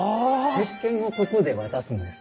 せっけんをここで渡すんです。